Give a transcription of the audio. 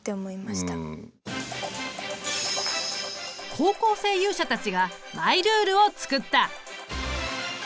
高校生勇者たちがマイルールを作った。